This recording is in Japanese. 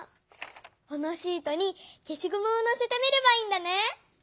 このシートにけしごむをのせてみればいいんだね。